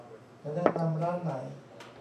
จะแนะนำร้านไหน